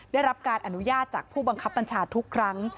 ได้รับการอนุญาตจากผู้บังคับบัญชาทุกครั้ง